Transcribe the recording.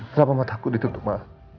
kenapa mata aku ditutup ma